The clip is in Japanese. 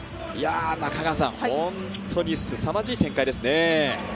本当にすさまじい展開ですね。